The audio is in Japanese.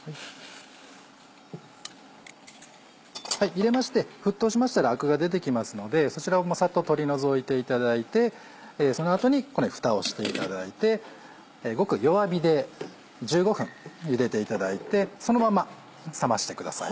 入れまして沸騰しましたらあくが出てきますのでそちらをサッと取り除いていただいてその後にふたをしていただいてごく弱火で１５分ゆでていただいてそのまま冷ましてください。